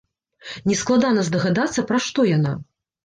Нескладана здагадацца, пра што яна.